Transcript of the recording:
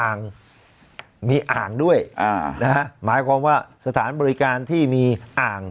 อ่างมีอ่างด้วยอ่านะฮะหมายความว่าสถานบริการที่มีอ่าง